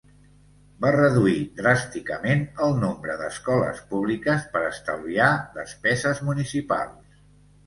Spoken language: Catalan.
Va reduir dràsticament el nombre d'escoles públiques per estalviar despeses municipals.